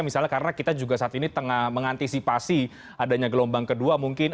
misalnya karena kita juga saat ini tengah mengantisipasi adanya gelombang kedua mungkin